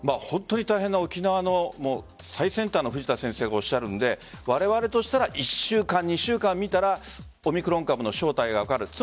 本当に大変な沖縄の最先端の藤田先生がおっしゃるのでわれわれとしては１週間、２週間見たらオミクロン株の正体が分かる。